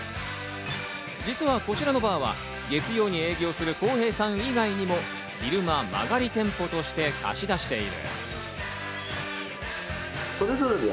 実はこちらのバーは月曜に営業する公平さん以外にも昼間、間借り店舗として貸し出している。